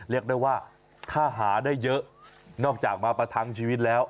เรียกได้ว่าถ้าหาได้เยอะนอกจากมาประทังชีวิตแล้ว